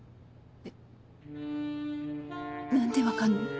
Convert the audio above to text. えっ何で分かんの？